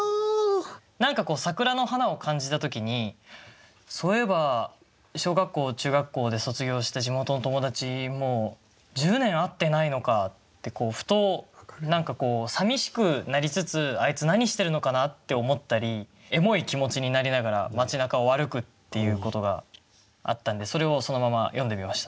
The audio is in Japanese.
何かこう桜の花を感じた時にそういえば小学校中学校で卒業して地元の友達もう１０年会ってないのかってふと何かこうさみしくなりつつ「あいつ何してるのかな」って思ったりエモい気持ちになりながら町なかを歩くっていうことがあったんでそれをそのまま詠んでみました。